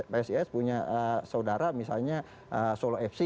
psis punya saudara misalnya solo fc